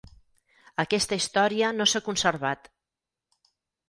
Aquesta història no s'ha conservat.